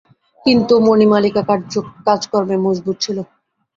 কিন্তু মণিমালিকা কাজকর্মে মজবুত ছিল।